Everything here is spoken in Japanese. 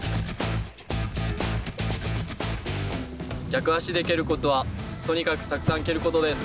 逆足で蹴るコツはとにかくたくさん蹴ることです。